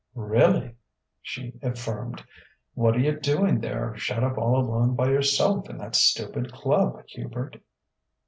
"Real ly!" she affirmed. "What're you doing there, shut up all alone by yourself in that stupid club, Hubert?"